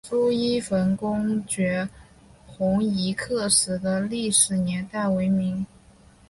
朱一冯攻剿红夷刻石的历史年代为明。